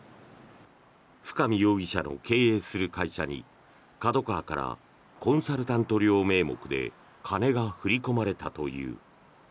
深見容疑者が経営する会社にＫＡＤＯＫＡＷＡからコンサルタント料名目で金が振り込まれたという。